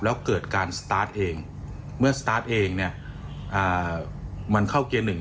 แล้วเกิดการเองเมื่อเนี้ยอ่ามันเข้าเกียร์หนึ่ง